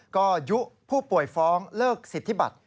ก็ยุผู้ป่วยฟ้องเลิกสิทธิบัตร